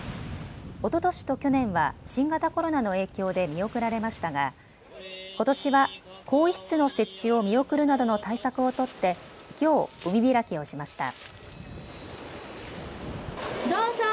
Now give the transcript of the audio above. おととしと去年は新型コロナの影響で見送られましたがことしは更衣室の設置を見送るなどの対策を取ってきょう海開きをしました。